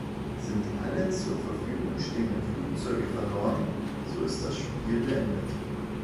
Sind alle zur Verfügung stehenden Flugzeuge verloren, so ist das Spiel beendet.